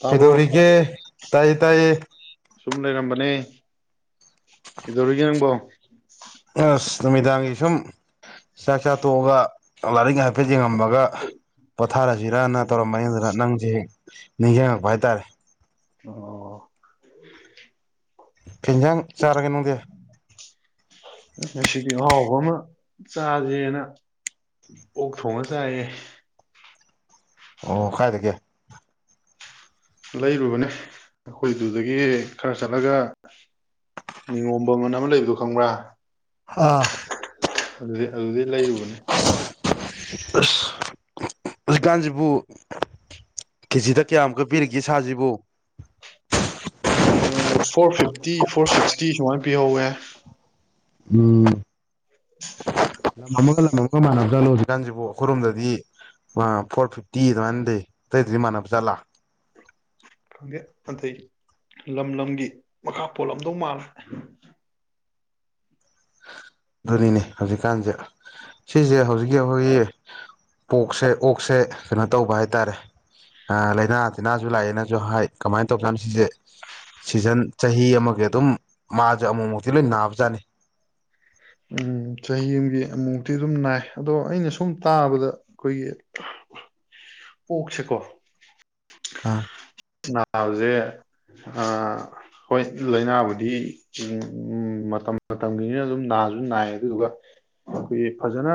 ꯇꯥꯕ꯭ꯔꯣ ꯀꯩꯗꯧꯔꯤꯒꯦ ꯇꯌꯦ ꯇꯌꯦ ꯁꯨꯝ ꯂꯩꯔꯝꯕꯅꯦ ꯀꯩꯗꯧꯔꯤꯒꯦ ꯅꯪꯕꯣ ꯑꯁ ꯅꯨꯃꯤꯗꯥꯡꯒꯤ ꯁꯨꯝ ꯆꯥꯛ ꯆꯥ ꯇꯣꯛꯑꯒ ꯂꯥꯏꯔꯤꯛ ꯍꯥꯏꯐꯦꯠ ꯌꯦꯡꯉꯝꯃꯒ ꯄꯣꯊꯥꯔꯁꯤꯔꯅ ꯇꯧꯔꯝꯕꯅꯤ ꯑꯗꯨꯅ ꯅꯪꯁꯦ ꯅꯤꯡꯁꯤꯡꯉꯛꯄ ꯍꯥꯏꯇꯥꯔꯦ ꯑꯣ ꯀꯩ ꯏꯟꯖꯥꯡ ꯆꯥꯔꯒꯦ ꯅꯪꯗꯤ ꯉꯁꯤꯗꯤ ꯑꯍꯥꯎꯕ ꯑꯃ ꯆꯥꯥꯁꯦꯅ ꯑꯣꯛ ꯊꯣꯡꯉ ꯆꯥꯏꯌꯦ ꯑꯣ ꯀꯥꯏ ꯗꯒꯤ ꯂꯩꯔꯨꯕꯅꯦ ꯑꯩꯈꯣꯏꯗꯨꯗꯒꯤ ꯈꯔ ꯆꯠꯂꯒ ꯅꯤꯉꯣꯝꯕꯝ ꯑꯅ ꯑꯃ ꯂꯩꯕꯗꯣ ꯈꯪꯕ꯭ꯔꯥ ꯍꯥ ꯑꯗꯨ ꯗꯩ ꯑꯗꯨꯗꯩ ꯂꯩꯔꯨꯕꯅꯦ ꯑꯁ ꯍꯧꯖꯤꯛꯀꯥꯟꯁꯤꯕꯨ ꯀꯦꯖꯤꯗ ꯀꯌꯥꯃꯨꯛꯀ ꯄꯤꯔꯤꯒꯦ ꯁꯥꯁꯤꯕꯨ ꯇꯤ ꯁꯨꯃꯥꯏ ꯄꯤꯍꯧ ꯑꯦ ꯎꯝ [unintelligible] ꯂꯝ ꯑꯃꯒꯥ ꯂꯝ ꯑꯃꯒꯥ ꯃꯅꯥꯕ꯭ꯔꯣ ꯖꯥꯅꯣ ꯍꯧꯖꯤꯛꯀꯥꯟꯁꯤꯕꯨ ꯑꯩꯈꯣꯏꯔꯣꯝꯗꯗꯤ ꯐꯣꯔ ꯐꯤꯐꯇꯤ ꯑꯗꯨꯃꯥꯏꯅ ꯂꯩ ꯑꯇꯩꯗꯗꯤ ꯃꯥꯟꯅꯕ ꯖꯥꯠꯂꯥ ꯈꯪꯗꯦ ꯑꯗꯩ ꯂꯝ ꯂꯝꯒꯤ ꯃꯈꯥ ꯄꯣꯜꯂꯝꯗꯧ ꯃꯥꯜꯂꯦ ꯑꯗꯨꯅꯤꯅꯦ ꯍꯧꯖꯤꯛꯀꯥꯟꯁꯦ ꯁꯤꯁꯦ ꯍꯧꯖꯤꯛꯀꯤ ꯑꯩꯈꯣꯏꯒꯤ ꯄꯣꯛꯁꯦ ꯑꯣꯛꯁꯦ ꯀꯩꯅꯣ ꯇꯧꯕ ꯍꯥꯏꯇꯥꯔꯦ ꯑ ꯂꯩꯅꯥ ꯂꯩꯅꯥꯁꯨ ꯂꯥꯛꯑꯦꯅꯁꯨ ꯍꯥꯏ ꯀꯃꯥꯏꯅ ꯇꯧꯕꯖꯥꯠꯅꯣ ꯁꯤꯁꯦ ꯁꯤꯖꯟ ꯆꯍꯤ ꯑꯃꯒꯤ ꯑꯗꯨꯝ ꯃꯥꯁꯦ ꯑꯃꯨꯛꯃꯨꯛꯇꯤ ꯂꯣꯏ ꯅꯥꯕꯖꯥꯠꯅꯤ ꯎꯝ ꯆꯍꯤ ꯑꯃꯒꯤ ꯑꯃꯨꯃꯨꯛꯇꯤ ꯑꯗꯨꯝ ꯅꯥꯏ ꯑꯗꯣ ꯑꯩꯅ ꯁꯨꯝ ꯇꯥꯕꯗ ꯑꯩꯈꯣꯏꯒꯤ ꯑꯣꯛꯁꯦꯀꯣ ꯑꯥ ꯅꯥꯕꯁꯦ ꯑꯥ ꯍꯣꯏ ꯂꯥꯏꯅꯥꯕꯨꯗꯤ ꯃꯇꯝ ꯃꯇꯝꯒꯤꯅꯤꯅ ꯑꯗꯨꯝ ꯅꯥ ꯑꯗꯨꯝ ꯅꯥꯏꯌꯦ ꯑꯗꯨꯗꯨꯒ ꯑꯩꯈꯣꯏꯒꯤ ꯐꯖꯅ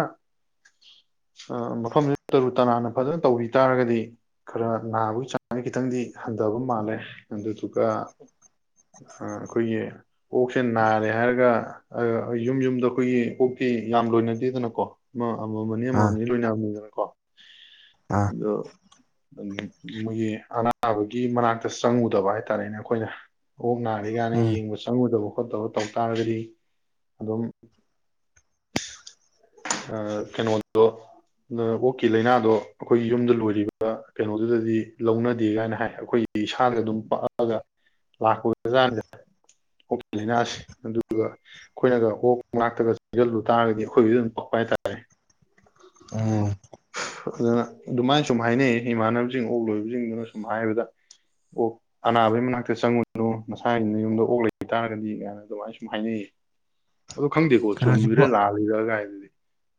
ꯃꯐꯝꯁꯤ ꯇꯔꯨ - ꯇꯅꯥꯟꯅ ꯐꯖꯅ ꯇꯧꯕꯤ ꯇꯥꯔꯒꯗꯤ ꯈꯔ ꯅꯥꯕꯒꯤ ꯆꯥꯡꯁꯦ ꯈꯤꯇꯪꯗꯤ ꯍꯟꯊꯕ ꯃꯥꯜꯂꯦ ꯑꯗꯨꯗꯨꯒ ꯑꯩꯈꯣꯏꯒꯤ ꯑꯣꯛꯁꯦ ꯅꯥꯔꯦ ꯍꯥꯏꯔꯒ ꯌꯨꯝ-ꯌꯨꯝꯗ ꯑꯩꯈꯣꯏꯒꯤ ꯑꯣꯛ ꯇꯤ ꯌꯥꯝ ꯂꯣꯏꯅꯗꯦꯗꯅꯀꯣ ꯑꯃꯥ ꯑꯃꯃꯝ ꯑꯅꯤ - ꯑꯥ ꯑꯃꯃꯝ ꯑꯥꯅꯤ ꯂꯣꯏꯅꯕꯅꯤꯗꯅ꯫ ꯀꯣ? ꯑꯥ ꯑꯗꯣ ꯃꯣꯏꯒꯤ ꯑꯅꯥꯕꯒꯤ ꯃꯅꯥꯛꯇ ꯆꯪꯉꯨꯗꯕ ꯍꯥꯏꯇꯥꯔꯦꯅꯦ ꯑꯩꯈꯣꯏꯅ ꯑꯣꯛ ꯅꯥꯔꯦ ꯀꯥꯏꯅ ꯎꯝ ꯌꯦꯡꯕ ꯆꯪꯉꯨꯗꯕꯨ ꯈꯣꯠ ꯇꯧꯔ ꯇꯧ ꯇꯥꯔꯒꯗꯤ ꯑꯗꯨꯝ ꯀꯩꯅꯣꯗꯣ ꯑꯣꯛꯀꯤ ꯂꯥꯏꯅꯥꯗꯣ ꯑꯩꯈꯣꯏꯒꯤ ꯌꯨꯝꯗ ꯂꯣꯏꯔꯤꯕ ꯀꯩꯅꯣꯗꯨꯗꯗꯤ ꯂꯧꯅꯗꯦ ꯀꯥꯏꯅ ꯍꯥꯏ ꯑꯩꯈꯣꯏꯒꯤ ꯏꯁꯥꯗ ꯑꯗꯨꯝ ꯄꯥꯛꯑꯒ ꯂꯥꯛꯄꯖꯥꯅꯦ ꯑꯣꯛꯀꯤ ꯂꯥꯏꯅꯥꯁꯦ ꯑꯗꯨꯒ ꯑꯩꯈꯣꯏꯅꯒ ꯑꯣꯛ ꯉꯥꯛꯇꯒ ꯆꯪꯁꯤꯜꯂꯨ ꯇꯥꯔꯒꯗꯤ ꯑꯩꯈꯣꯏꯕꯨꯗꯤ ꯑꯗꯨꯝ ꯀꯛꯄ ꯍꯥꯏꯇꯥꯔꯦ ꯎꯝ ꯑꯗꯨꯃꯥꯏ ꯁꯨꯝ ꯍꯥꯏꯅꯩ ꯏꯃꯥꯟꯅꯕꯁꯤꯡ ꯑꯣꯛ ꯂꯣꯏꯕꯁꯤꯡꯗꯨꯅ ꯁꯨꯝ ꯍꯥꯏꯕꯗ ꯑꯣꯛ ꯑꯅꯥꯕꯒꯤ ꯃꯅꯥꯛꯇ ꯆꯪꯉꯨꯅꯨ ꯅꯁꯥꯒꯤꯅ ꯌꯨꯝꯗ ꯑꯣꯛ ꯂꯩꯕ ꯇꯥꯔꯒꯗꯤ ꯃꯅ ꯑꯗꯨꯃꯥꯏꯅ ꯁꯨꯝ ꯍꯥꯏꯅꯩꯌꯦ ꯑꯣ ꯈꯪꯗꯦꯀꯣ ꯀꯩꯅꯣꯁꯤꯕꯨ ꯆꯨꯝꯃꯤꯔꯦ ꯂꯥ ꯂꯩꯔꯒꯥꯏꯗꯨꯗꯤ [unintelligible]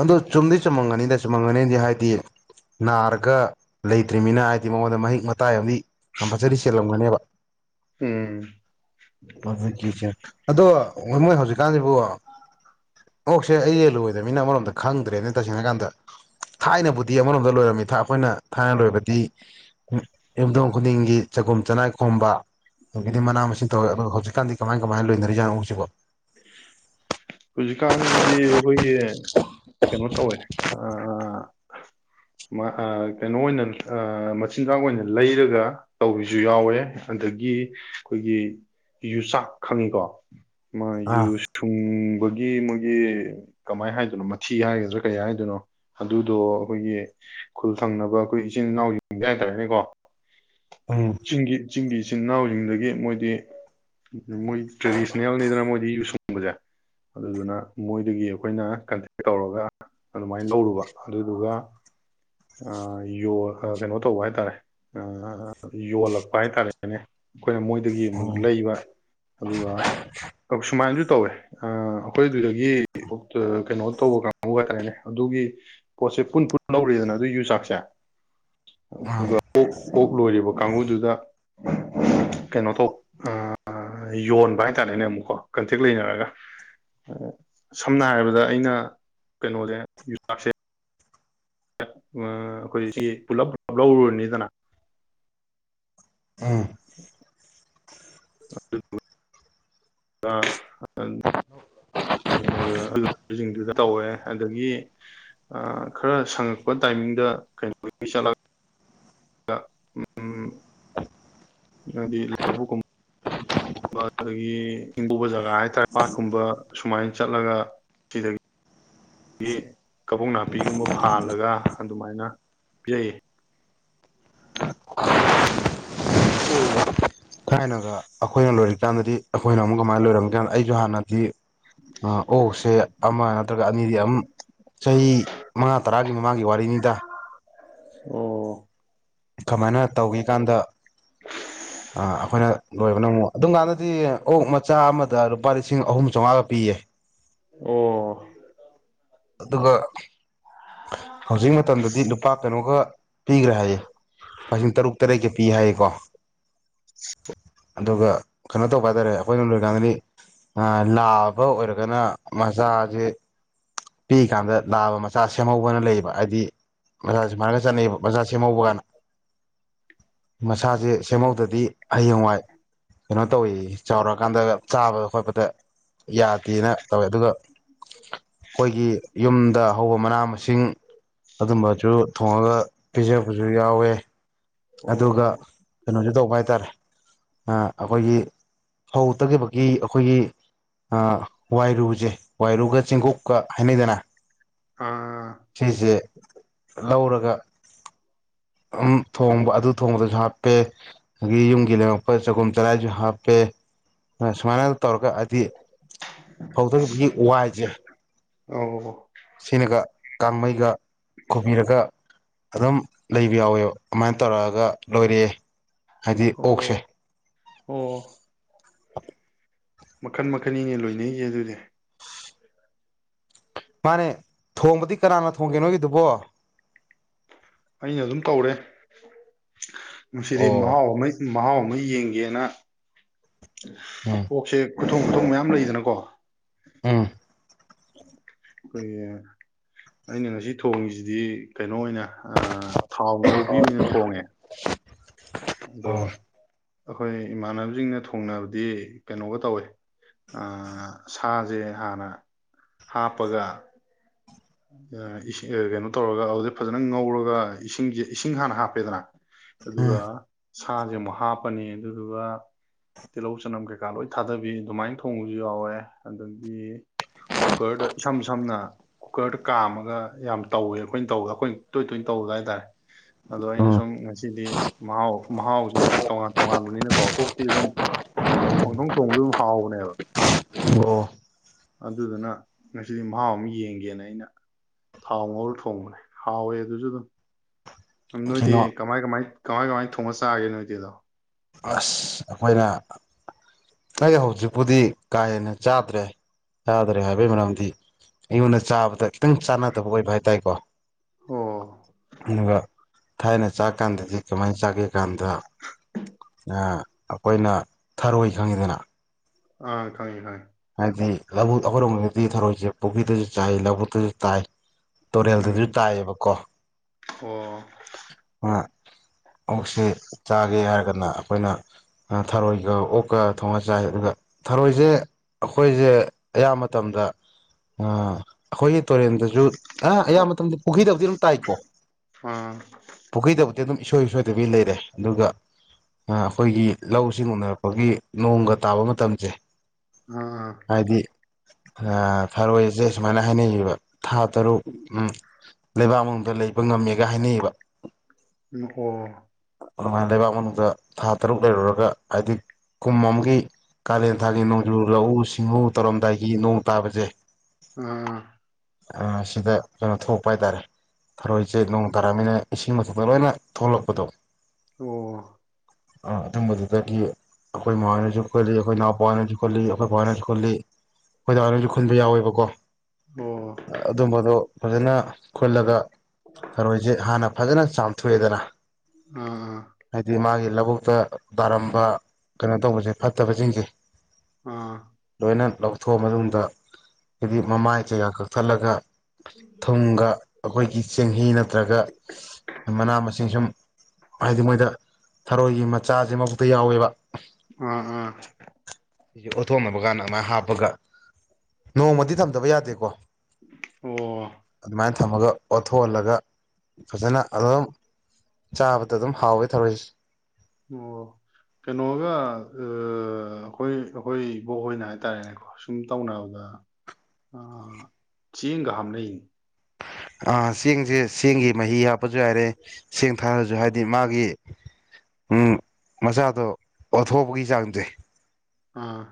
ꯑꯗꯨꯣ ꯆꯨꯝꯗꯤ ꯆꯨꯝꯃꯝꯒꯅꯤꯗ ꯆꯨꯝꯃꯝꯒꯅꯤꯗꯤ ꯍꯥꯏꯗꯤ ꯅꯥꯔꯒ ꯂꯩꯇ꯭ꯔꯤꯕꯅꯤꯅ ꯍꯥꯏꯗꯤ ꯃꯉꯣꯟꯗ ꯃꯍꯤꯛ ꯃꯇꯥꯏ ꯑꯃꯗꯤ ꯀꯝꯄꯜꯁꯔꯤ ꯆꯦꯜꯂꯝꯒꯅꯦꯕ ꯎꯝ ꯑꯗꯣ ꯑꯣ ꯃꯣꯏ ꯍꯧꯖꯤꯛꯀꯥꯟꯁꯤꯕꯨ ꯑꯣꯛꯁꯦ ꯑꯩ ꯌꯦꯂꯣꯏꯗꯕꯅꯤꯅ ꯑꯃꯣꯝ ꯑꯗ ꯈꯪꯗ꯭ꯔꯦꯅꯦ ꯇꯁꯦꯡꯅ ꯀꯥꯟꯗ ꯊꯥꯏꯅꯕꯨꯗꯤ ꯑꯃꯔꯣꯝꯗ ꯂꯣꯏꯔꯝꯃꯤꯗ ꯑꯩꯈꯣꯏꯅ ꯊꯥꯏꯅ ꯂꯣꯏꯕꯗꯤ ꯌꯨꯝꯊꯣꯡ ꯈꯨꯗꯤꯡꯒꯤ ꯆꯒꯨꯝ ꯆꯅꯥꯏ ꯈꯣꯝꯕ ꯑꯗꯒꯤꯗꯤ ꯃꯅꯥ ꯃꯁꯤꯡ ꯇꯧꯋꯦ ꯑꯣ ꯍꯧꯖꯤꯛꯀꯥꯟꯗꯤ ꯀꯃꯥꯏ ꯀꯃꯥꯏꯅ ꯂꯣꯏꯅꯔꯤꯠꯅꯣ ꯎꯁꯤꯀꯣ ꯍꯧꯖꯤꯛꯀꯥꯟꯁꯤꯗꯤ ꯑꯩꯈꯣꯏꯒꯤ ꯀꯩꯅꯣ ꯇꯧꯋꯦ ꯀꯩꯅꯣ ꯑꯣꯏꯅ ꯃꯆꯤꯟꯖꯥꯛ ꯑꯣꯏꯅ ꯂꯩꯔꯒ ꯇꯧꯕꯤꯁꯨ ꯌꯥꯎꯋꯦ ꯑꯗꯒꯤ ꯑꯩꯈꯣꯏꯒꯤ ꯌꯨꯆꯥꯛ ꯈꯪꯉꯤꯀꯣ ꯃꯥ ꯑꯥ ꯌꯨ ꯁꯨꯡ ꯒꯤ ꯃꯣꯏꯒꯤ ꯀꯃꯥꯏꯅ ꯍꯥꯏꯗꯣꯏꯅꯣ ꯃꯊꯤ ꯍꯥꯏꯒꯗ꯭ꯔꯥ ꯀꯩ ꯍꯥꯏꯗꯣꯏꯅꯣ ꯑꯗꯨꯗꯣ ꯑꯩꯈꯣꯏꯒꯤ ꯈꯨꯜ ꯊꯪꯅꯕ ꯑꯩꯈꯣꯏ ꯏꯆꯤꯟ ꯏꯅꯥꯎ ꯌꯦꯡꯒꯦ ꯍꯥꯏꯇꯥꯔꯦꯅꯦꯀꯣ ꯎꯝ ꯆꯤꯡꯒꯤꯦ ꯆꯤꯡꯒꯤꯦ ꯏꯆꯤꯟ ꯏꯅꯥꯎꯁꯤꯡꯗꯒꯤ ꯃꯣꯏꯗꯤ ꯃꯣꯏ ꯇ꯭ꯔꯦꯗꯤꯁꯅꯦꯜꯅꯤꯗꯅ ꯌꯨ ꯁꯨꯡꯕꯁꯦ ꯑꯗꯨꯗꯨꯅ ꯃꯣꯏꯗꯒꯤ ꯑꯩꯈꯣꯏꯅ ꯀꯟꯇꯦꯛ ꯇꯧꯔꯒ ꯑꯗꯨꯃꯥꯏꯅ ꯂꯧꯔꯨꯕ ꯑꯗꯨꯗꯨꯒ ꯑ ꯌ ꯀꯩꯅꯣ ꯇꯧꯕ ꯍꯥꯏꯇꯥꯔꯦ ꯌꯣꯜꯂꯛꯄ ꯍꯥꯏꯇꯥꯔꯦꯅꯦ ꯑꯩꯈꯣꯏꯅ ꯃꯣꯏꯗꯒꯤ ꯑꯃꯨꯛ ꯂꯩꯕ ꯑꯗꯨꯒ ꯁꯨꯃꯥꯏꯅꯁꯨ ꯇꯧꯋꯦ ꯑꯩꯈꯣꯏꯗꯨꯗꯒꯤ ꯀꯩꯅꯣ ꯇꯧꯕ ꯀꯥꯡꯕꯨ ꯍꯥꯏꯇꯥꯔꯦꯅꯦ ꯑꯗꯨꯒꯤ ꯄꯣꯠꯁꯦ ꯄꯨꯟ ꯄꯨꯟ ꯂꯧꯔꯤꯗꯅ ꯑꯗꯨꯏ ꯌꯨꯆꯥꯛꯁꯦ ꯑꯣꯞ ꯂꯣꯏꯔꯤꯕ ꯀꯥꯡꯕꯨꯗꯨꯗ ꯀꯩꯅꯣ ꯇꯣ ꯌꯣꯟꯕ ꯍꯥꯏꯇꯥꯔꯦꯅꯦ ꯑꯃꯨꯛꯀꯣ ꯀꯟꯇꯦꯛ ꯂꯩꯅꯔꯒ ꯁꯝꯅ ꯍꯥꯏꯔꯕꯗ ꯑꯩꯅ ꯀꯩꯅꯣꯁ ꯌꯨꯇꯞꯁꯦ ꯑꯩꯈꯣꯏ ꯁꯤ ꯄꯨꯂꯞ ꯄꯨꯂꯞ ꯂꯧꯔꯨꯔꯅꯤꯗꯅ ꯎꯝ [inaudible] ꯑ ꯑ ꯑꯂꯁꯤꯡꯗꯨꯗ ꯇꯧꯋꯦ ꯑꯗꯒꯤ ꯈꯔ ꯁꯪꯉꯛꯄ ꯇꯥꯏꯃꯤꯡꯗ ꯀꯩꯅꯣ ꯆꯠꯂ ꯑ ꯎꯝ ꯑꯗꯨꯗꯤ ꯂꯕꯨꯨ ꯀꯨꯝ ꯑꯗꯨꯗꯒꯤ ꯍꯪꯉꯕ ꯖꯒꯥ ꯍꯥꯏꯇꯥꯔꯦ ꯄꯥꯠꯀꯨꯝꯕ ꯁꯨꯃꯥꯏꯅ ꯆꯠꯂꯒ ꯁꯤꯗꯒꯤ ꯀꯕꯨꯡ ꯅꯥꯄꯤꯒꯨꯝꯕ ꯐꯥꯜꯂꯒ ꯑꯗꯨꯃꯥꯏꯅ ꯄꯤꯖꯩꯩ ꯊꯥꯏꯅꯒ ꯑꯈꯣꯏꯅ ꯂꯣꯏꯔꯤꯀꯥꯟꯗꯗꯤ ꯑꯈꯣꯏꯅ ꯑꯃꯨꯛ ꯀꯃꯥꯏ ꯂꯣꯏꯔꯝꯒꯦ ꯀꯥꯟꯗ ꯑꯩꯖꯨ ꯍꯥꯟꯅꯗꯤ ꯑꯥ ꯑꯣꯛꯁꯦ ꯑꯃ ꯅꯠꯇ꯭ꯔꯒ ꯑꯅꯤꯗꯤ ꯑꯝ ꯆꯍꯤ ꯃꯉꯥ ꯇꯔꯥꯒꯤ ꯃꯃꯥꯡꯒꯤ ꯋꯥꯔꯤꯅꯤꯗꯥ꯫ ꯑꯣ ꯀꯃꯥꯏꯅ ꯇꯧꯒꯤ ꯀꯥꯟꯗ ꯑꯥ ꯑꯈꯣꯏꯅ ꯂꯣꯏꯕꯅ ꯑꯃꯨꯛ ꯑꯗꯨꯝꯀꯥꯟꯗꯗꯤ ꯑꯣꯛ ꯃꯆꯥ ꯑꯃꯗ ꯂꯨꯄꯥ ꯂꯤꯁꯤꯡ ꯑꯍꯨꯝ ꯆꯧꯉꯥꯒ ꯄꯤꯌꯦ꯫ ꯑꯣ ꯑꯗꯨꯒ ꯍꯧꯖꯤꯛ ꯃꯇꯝꯗꯗꯤ ꯂꯨꯄꯥ ꯀꯩꯅꯣꯒ ꯄꯤꯒ꯭ꯔꯦ ꯍꯥꯏꯌꯦ ꯄꯥ ꯂꯤꯁꯤꯡ ꯇꯔꯨꯛ꯫ ꯇꯔꯦꯠꯀꯦ ꯄꯤ ꯍꯥꯏꯌꯦꯀꯣ? [inaudible] ꯑꯗꯨꯒ ꯀꯩꯅꯣ ꯇꯧꯕ ꯍꯥꯏꯇꯥꯔꯦ ꯑꯈꯣꯏꯅ ꯂꯣꯏꯀꯥꯟꯗꯗꯤ ꯑ ꯂꯥꯕ ꯑꯣꯏꯔꯒꯅ ꯃꯆꯥꯖꯦ ꯄꯤꯛꯏ ꯀꯥꯟꯗ ꯂꯥꯕ ꯃꯆꯥ ꯁꯦꯝꯍꯧꯕꯅ ꯂꯩꯌꯦꯕ ꯍꯥꯏꯗꯤ ꯃꯆꯥ ꯁꯨꯃꯥꯏꯅ ꯆꯠꯅꯩꯌꯦꯕ ꯃꯖꯥ ꯁꯦꯝꯍꯧꯕ ꯑꯅ꯫ ꯃꯁꯥꯁꯦ ꯑꯣ ꯁꯦꯝꯍꯧꯗꯗꯤ ꯍꯌꯦꯡꯋꯥꯏ ꯀꯩꯅꯣ ꯇꯧꯋꯤ ꯆꯥꯎꯔꯛꯑꯀꯥꯟꯗ ꯆꯥꯕꯗ ꯈꯣꯠꯄꯗ ꯌꯥꯗꯦꯅ ꯇꯧꯋꯦ ꯑꯗꯨꯒ ꯑꯩꯈꯣꯏꯒꯤ ꯌꯨꯝꯗ ꯍꯧꯕ ꯃꯅꯥ ꯃꯁꯤꯡ ꯑꯗꯨꯝꯕꯁꯨ ꯊꯣꯡꯉꯗ ꯄꯤꯖꯕꯁꯨ ꯌꯥꯎꯋꯦ ꯑꯗꯨꯒ ꯑꯣ ꯀꯩꯅꯣꯁꯦ ꯇꯧꯕ ꯍꯥꯏꯇꯥꯔꯦ ꯑꯩꯈꯣꯏꯒꯤ ꯐꯧ ꯇꯛꯈꯤꯕꯒꯤ ꯑꯩꯈꯣꯏꯒꯤ ꯋꯥꯏꯔꯨꯁꯦ ꯋꯥꯏꯔꯨꯒ ꯆꯦꯡꯒꯣꯛꯀ ꯍꯥꯏꯅꯩꯗꯅ ꯑꯥ ꯁꯤꯁꯦ ꯂꯧꯔꯒ ꯎꯝ ꯊꯣꯡꯕ ꯑꯗꯨ ꯊꯣꯡꯕꯗꯁꯨ ꯍꯥꯞꯄꯦ ꯑꯗꯒꯤ ꯌꯨꯝꯒꯤ ꯂꯩꯉꯛꯄ ꯆꯒꯨꯝ ꯆꯔꯥꯏꯁꯨ ꯍꯥꯞꯄꯦ ꯁꯨꯃꯥꯏꯅ ꯇꯧꯔꯒ ꯍꯥꯏꯗꯤ ꯍꯧꯗꯣꯛꯏꯈꯤꯕꯒꯤ ꯋꯥꯏꯁꯦ ꯑꯧ ꯁꯤꯅꯒ ꯀꯥꯡꯃꯩꯒ ꯈꯨꯣꯕꯤꯔꯒ ꯑꯗꯨꯝ ꯂꯩꯕ ꯌꯥꯎꯋꯦꯕ ꯑꯗꯨꯃꯥꯏꯅ ꯇꯧꯔꯛꯑꯒ ꯂꯣꯏꯔꯛꯑꯦ ꯍꯥꯏꯗꯤ ꯑꯣ ꯑꯣꯛꯁꯦ ꯑꯣ [inaudible] ꯃꯈꯟ ꯃꯈꯟꯅꯤꯅꯦ ꯂꯣꯏꯅꯔꯤꯁꯦ ꯑꯗꯨꯗꯤ ꯃꯥꯅꯦ ꯊꯣꯡꯕꯗꯤ ꯀꯅꯥꯅ ꯊꯣꯡꯒꯦ ꯅꯣꯒꯤꯗꯨꯕꯣ ꯑꯩꯅ ꯑꯗꯨꯝ ꯇꯧꯔꯦ ꯅꯨꯁꯤꯗꯤ ꯑꯣ ꯃꯍꯥꯎ ꯑꯃꯩ ꯃꯍꯥꯎ ꯑꯃ ꯌꯦꯡꯒꯦꯅ ꯎꯝ ꯑꯣꯛꯁꯦ ꯈꯨꯊꯣꯡ ꯈꯨꯊꯣꯡ ꯃꯌꯥꯝ ꯂꯩꯗꯅꯀꯣ ꯎꯝ ꯑꯩꯈꯣꯏꯒꯤ ꯑꯩꯅ ꯉꯁꯤ ꯊꯣꯡꯉꯤꯁꯤꯗꯤ ꯀꯩꯅꯣ ꯑꯣꯏꯅ ꯑ ꯊꯥꯎ ꯉꯧꯕꯤ ꯑꯣꯏꯅ ꯊꯣꯡꯉꯦ ꯑꯗꯣ ꯑꯣ ꯑꯩꯈꯣꯏ ꯏꯃꯥꯟꯅꯕꯁꯤꯡꯅ ꯊꯣꯡꯅꯕꯗꯤ ꯀꯩꯅꯣꯒ ꯇꯧꯋꯦ ꯁꯥꯁꯦ ꯍꯥꯟꯅ ꯍꯥꯞꯄꯒ ꯀꯩꯅꯣ ꯇꯧꯔꯒ ꯑꯗꯨꯗꯩ ꯐꯖꯅ ꯉꯧꯔꯒ ꯏꯁꯤꯡꯁꯦ ꯏꯁꯤꯡ ꯍꯥꯟꯅ ꯍꯥꯞꯄꯦꯗꯅ ꯑꯗꯨꯒ ꯎꯝ ꯁꯥꯁꯦ ꯑꯃꯨꯛ ꯍꯥꯞꯄꯅꯤ ꯑꯗꯨꯗꯨꯒ ꯇꯤꯜꯍꯧ ꯆꯅꯝ ꯀꯩꯀꯥ ꯂꯣꯏ ꯊꯥꯗꯕꯤ ꯑꯗꯨꯃꯥꯏꯅ ꯊꯣꯡꯕꯁꯨ ꯌꯥꯎꯋꯦ ꯑꯗꯒꯤ ꯀꯨꯀꯔꯗ ꯏꯁꯝ ꯁꯝꯅ ꯀꯨꯀꯔꯗ ꯀꯥꯝꯃꯒ ꯌꯥꯝ ꯇꯧꯋꯦ ꯑꯩꯈꯣꯏꯅ ꯇꯧꯕꯗ ꯑꯩꯈꯣꯏꯅ ꯇꯣꯏ ꯇꯣꯏꯅ ꯇꯧꯗ ꯍꯥꯏꯇꯥꯔꯦ ꯑꯗꯣ ꯑꯩꯅ ꯎꯝ ꯁꯨꯝ ꯉꯁꯤꯗꯤ ꯃꯍꯥꯎ ꯃꯍꯥꯎꯁꯦ ꯇꯣꯉꯥꯟ ꯇꯣꯉꯥꯟꯕꯅꯤꯅꯀꯣ ꯀꯣꯛꯇꯤ ꯑꯗꯨꯝ ꯄꯣꯡꯊꯣꯡ ꯊꯣꯡꯕꯗ ꯑꯗꯨꯝ ꯍꯥꯎꯕꯅꯦꯕ ꯑꯣ ꯑꯗꯨꯗꯨꯅ ꯉꯁꯤꯗꯤ ꯃꯍꯥꯎ ꯑꯃ ꯌꯦꯡꯒ ꯒꯦꯅ ꯑꯩꯅ ꯊꯥꯎ ꯉꯧꯔ ꯊꯣꯡꯕꯅꯦ ꯍꯥꯎꯋꯦ ꯑꯗꯨꯁꯨ ꯑꯗꯨꯝ ꯀꯩꯅꯣ ꯅꯣꯏꯗꯤ ꯀꯃꯥꯏ ꯀꯃꯥꯏ ꯀꯃꯥꯏ ꯀꯃꯥꯏꯅ ꯊꯣꯡꯉ ꯆꯥꯒꯦ ꯅ ꯏꯗꯤ ꯑꯗꯣ ꯑꯁ ꯑꯩꯈꯣꯏꯅ ꯑꯩ ꯍꯧꯖꯤꯛꯄꯨꯗꯤ ꯀꯥ ꯍꯦꯟꯅ ꯆꯥꯗ꯭ꯔꯦ ꯆꯥꯗ꯭ꯔꯦ ꯍꯥꯏꯕꯒꯤ ꯃꯔꯝꯗꯤ ꯑꯩꯉꯣꯟꯗ ꯆꯥꯕꯗ ꯈꯤꯇꯪ ꯆꯥꯟꯅꯗꯕ ꯑꯣꯏꯕ ꯍꯥꯏ ꯇꯔꯦꯀꯣ ꯑꯣ ꯑꯗꯨꯒ ꯊꯥꯏꯅ ꯆꯥꯛ ꯀꯥꯟꯗꯗꯤ ꯀꯃꯥꯏꯅ ꯆꯥꯒꯦ ꯀꯥꯟꯗ ꯑꯩꯈꯣꯏꯅ ꯊꯔꯣꯏ ꯈꯪꯉꯤꯗꯅ ꯑꯥ ꯈꯉꯦ ꯈꯥꯏ ꯂꯕꯨꯛ ꯑꯩꯈꯣꯏꯗꯤ ꯊꯧꯔꯛꯁꯦ ꯄꯨꯈ꯭ꯔꯤꯗꯁꯨ ꯆꯥꯏ ꯂꯧꯕꯨꯛꯇꯁꯨ ꯇꯥꯏ ꯇꯨꯔꯦꯜꯗꯁꯨ ꯎꯝ ꯇꯥꯏꯌꯦꯕꯀꯣ ꯑꯣ ꯑ ꯑꯣꯛꯁꯤꯦ ꯆꯥꯒꯦ ꯍꯥꯏꯔꯒꯅ ꯑꯩꯈꯣꯏꯅ ꯊꯔꯣꯏꯒ ꯑꯣꯛꯀ ꯊꯣꯡꯉ ꯆꯥꯏ ꯑꯗꯨꯒ ꯊꯔꯣꯏꯁꯦ ꯑꯩꯈꯣꯏꯁꯦ ꯑꯌꯥꯝꯕ ꯃꯇꯝꯗ ꯑꯩꯈꯣꯏꯒꯤ ꯇꯨꯔꯦꯟꯗꯁꯨ ꯑ ꯑꯌꯥꯝꯕ ꯃꯇꯝꯗ ꯄꯨꯈꯔꯤꯗꯕꯗꯤ ꯑꯗꯨꯝ ꯇꯥꯏꯀꯣ ꯑꯥ ꯄꯨꯈꯔꯤꯗꯕ ꯑꯗꯨꯝ ꯏꯁꯣꯏ ꯁꯣꯏꯗꯕꯤ ꯂꯩꯔꯦ ꯑꯗꯨꯒ ꯑꯩꯈꯣꯏꯒꯤ ꯂꯧꯁꯤꯡ ꯎꯅꯔꯛꯄꯒꯤ ꯅꯣꯡꯒ ꯇꯥꯕ ꯃꯇꯝꯁꯦ ꯑꯝ ꯍꯥꯏꯗꯤ ꯊꯔꯣꯏꯁꯦ ꯁꯨꯃꯥꯏꯅ ꯍꯥꯏꯅꯩꯕ ꯊꯥ ꯇꯔꯨꯛ ꯎ ꯂꯩꯕꯥꯛ ꯃꯅꯨꯡꯗ ꯂꯩꯕ ꯉꯝꯃꯦꯒ ꯍꯥꯏꯅꯩꯕ ꯑꯣ ꯑꯗꯨꯃꯥꯏꯅ ꯂꯩꯕꯥꯛ ꯃꯅꯨꯡꯗ ꯊꯥ ꯇꯔꯨꯛ ꯂꯩꯔꯨꯔꯒ ꯍꯥꯏꯗꯤ ꯀꯨꯝ ꯑꯃꯒꯤ ꯀꯥꯂꯦꯟ ꯊꯥꯒꯤ ꯅꯣꯡꯖꯨ ꯂꯧꯎ ꯁꯤꯡꯎ ꯇꯧꯔꯝꯗꯥꯏꯒꯤ ꯅꯣꯡ ꯇꯥꯕꯁꯦ ꯑꯥ ꯁꯤꯗ ꯀꯩꯅꯣ ꯊꯣꯛꯂꯛꯄ ꯍꯥꯏꯇꯥꯔꯦ ꯐꯔꯣꯏꯁꯦ ꯅꯣꯡ ꯇꯥꯔꯝꯅꯤꯅ ꯏꯁꯤꯡ ꯃꯊꯛꯇ ꯂꯣꯏꯅ ꯊꯣꯛꯂꯛꯄꯗꯣ ꯑꯣ ꯑ ꯑꯗꯨꯝꯕꯗꯨꯗꯒꯤ ꯑꯩꯈꯣꯏ ꯏꯃꯥꯅꯁꯨ ꯈꯣꯜꯂꯤ ꯑꯩꯈꯣꯏ ꯏꯅꯥꯎꯄꯥꯋꯥꯅꯁꯨ ꯈꯣꯜꯂꯤ ꯑꯩꯈꯣꯏꯀꯅꯁꯨ ꯈꯨꯜꯂꯤ ꯑꯩꯈꯣꯏ ꯗꯥ ꯍꯣꯏꯁꯨ ꯈꯨꯟꯕ ꯌꯥꯎꯏꯕꯥ ꯑꯣ ꯑꯗꯨꯝꯕ ꯑꯗꯨꯣ ꯐꯖꯅ ꯈꯨꯜꯂꯒ ꯊꯔꯣꯏꯁꯦ ꯍꯥꯟꯅ ꯐꯖꯅ ꯆꯥꯝꯊꯣꯛꯑꯦꯗꯅ ꯑꯥ ꯑꯥ ꯍꯥꯏꯗꯤ ꯃꯥꯒꯤ ꯂꯧꯕꯨꯛꯇ ꯇꯥꯔꯝꯕ ꯀꯩꯅꯣ ꯇꯧꯕꯁꯦ ꯐꯠꯇꯕꯁꯤꯡꯁꯦ ꯑꯥ ꯑꯩꯅ ꯂꯧꯊꯣꯛꯑ ꯃꯇꯨꯡꯗ ꯍꯥꯏꯗꯤ ꯃꯃꯥꯏ ꯀꯌꯥ ꯀꯛꯊꯠꯂꯒ ꯊꯨꯝꯒ ꯑꯩꯈꯣꯏꯒꯤ ꯆꯦꯡꯍꯤ ꯅꯠꯇ꯭ꯔꯒ ꯃꯅꯥ ꯃꯁꯤꯡ ꯁꯨꯝ ꯍꯥꯏꯗꯤ ꯃꯣꯏꯗ ꯊꯔꯣꯏꯒꯤ ꯃꯆꯥꯁꯤ ꯃꯕꯨꯛꯇ ꯌꯥꯎꯋꯦꯕ ꯑꯥ ꯑꯥ ꯁꯤꯁꯦ ꯑꯣꯠꯊꯣꯛꯅꯕ ꯀꯥꯟꯗ ꯑꯃꯥꯏ ꯍꯥꯞꯄꯒ ꯅꯣꯡꯃꯗꯤ ꯊꯝꯗꯕ ꯌꯥꯗꯦꯀꯣ ꯑꯗꯨꯃꯥꯏꯅ ꯑꯣ ꯊꯝꯃꯒ ꯑꯣꯠꯊꯣꯛꯍꯜꯂꯒ ꯐꯖꯅ ꯑꯗꯨꯝ ꯆꯥꯕꯗ ꯑꯗꯨꯝ ꯍꯥꯎꯋꯦ ꯊꯧꯔꯛꯏꯁꯦ ꯑꯣ ꯀꯩꯅꯣꯒ ꯑꯩꯈꯣꯏ ꯑꯩꯈꯣꯏ ꯏꯕꯣꯛ ꯍꯣꯏꯅ ꯍꯥꯏꯇꯥꯔꯦꯅꯦꯀꯣ ꯁꯨꯝ ꯇꯧꯅꯕꯗ ꯆꯦꯡꯒ ꯍꯥꯞꯅꯩꯅꯤ ꯑ ꯆꯦꯡꯁꯦ ꯆꯦꯡꯒꯤ ꯃꯍꯤ ꯍꯥꯞꯄꯁꯨ ꯌꯥꯏꯔꯦ ꯆꯦꯡ ꯊꯥꯔꯁꯨ ꯍꯥꯏꯗꯤ ꯃꯥꯒꯤ ꯎ ꯃꯆꯥꯗꯣ ꯑꯣꯊꯣꯛꯄꯒꯤ ꯆꯥꯡꯁꯦ ꯑꯥ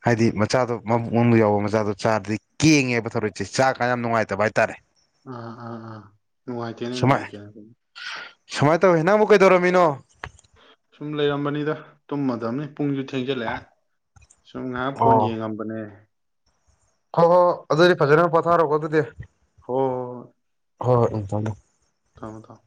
ꯍꯥꯏꯗꯤ ꯃꯆꯥꯗꯣ ꯃꯕꯨꯡ ꯑꯃ ꯌꯥꯎꯕ ꯃꯆꯥꯗꯣ ꯆꯥꯔꯗꯤ ꯀꯦꯡꯉꯦꯕ ꯊꯧꯔꯛꯁꯦ ꯆꯥꯛ ꯑꯥ ꯑꯥ ꯑꯥ ꯅꯨꯡꯉꯥꯏꯇꯦꯅꯦ ꯁꯨꯃꯥꯏ ꯅꯨꯡꯉꯥꯏꯇꯦꯅꯦ ꯁꯨꯃꯥꯏꯅ ꯇꯧꯋꯦ ꯅꯪ ꯑꯃꯨꯛ ꯀꯩꯗꯧꯔꯝꯃꯤꯅꯣ ꯁꯨꯝ ꯂꯩꯔꯝꯕꯅꯤꯗ ꯇꯨꯝꯃꯗꯕꯅꯤ ꯄꯨꯡꯁꯨ ꯊꯦꯡꯖꯤꯜꯂꯛꯑꯦ ꯁꯨꯝ ꯉꯥꯏꯍꯥꯛ ꯐꯣꯟ ꯑꯣ ꯌꯦꯡꯉꯝꯕꯅꯦ ꯍꯣꯏ ꯍꯣꯏ ꯑꯗꯨꯗꯤ ꯐꯖꯅ ꯄꯣꯊꯥꯔꯛꯣꯀꯣ ꯑꯗꯨꯗꯤ ꯍꯣꯏ ꯍꯣꯏ ꯍꯣꯏ ꯍꯣꯏ ꯍꯣꯏ ꯑꯗꯨꯝ ꯊꯝꯃꯣ ꯊꯝ ꯊꯝꯃꯣ ꯊꯝꯃꯣ